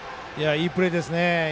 いいプレーですね。